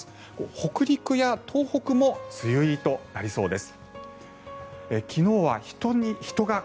北陸や東北も梅雨入りとなりそうです。